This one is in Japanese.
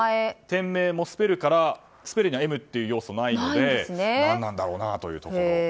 店名もスペルにＭという要素がないので何なんだろうなというところ。